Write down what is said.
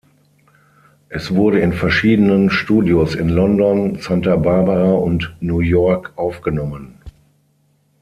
Es wurde in verschiedenen Studios in London, Santa Barbara und New York aufgenommen.